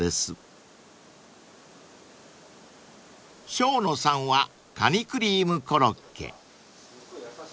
［生野さんはカニクリームコロッケ］